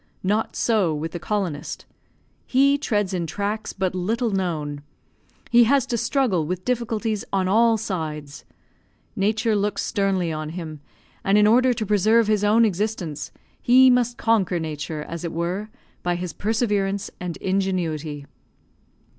Not so with the colonist. He treads in tracks but little known; he has to struggle with difficulties on all sides. Nature looks sternly on him, and in order to preserve his own existence, he must conquer Nature, as it were, by his perseverance and ingenuity.